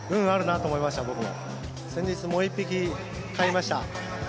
先日もう１匹飼いました。